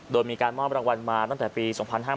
โดยมีการมอบรางวัลมาตั้งแต่ปี๒๕๕๙